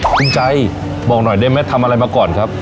คุณใจบอกหน่อยได้ไหมทำอะไรมาก่อนครับ